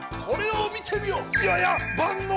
これを見てみよ！やや！？